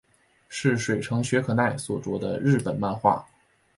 是水城雪可奈所着的日本漫画。